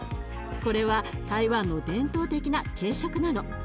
これは台湾の伝統的な軽食なの。